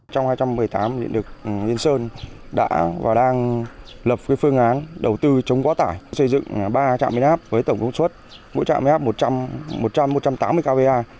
trong hai nghìn một mươi tám điện lực yên sơn đã và đang lập phương án đầu tư chống quá tải xây dựng ba trạm biến áp với tổng công suất mỗi trạm y áp một trăm một trăm tám mươi kva